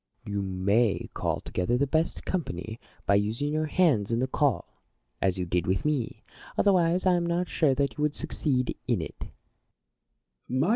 Plato. You may call together the best company, by using your hands in the call, as you did with me; otherwise I am not sure that you would succeed in it.